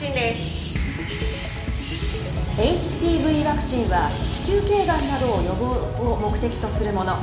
ＨＰＶワクチンは、子宮けいがんなどの予防を目的とするもの。